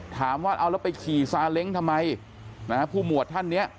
ถามว่าเอาแล้วไปขี่ซาเล้งทำไมนะฮะผู้หมวดท่านเนี่ย